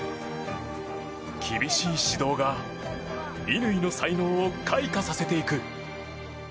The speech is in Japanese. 厳しい指導が乾の才能を開花させていく。